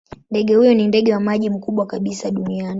Ndege huyo ni ndege wa maji mkubwa kabisa duniani.